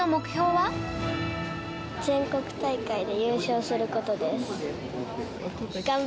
全国大会で優勝することです。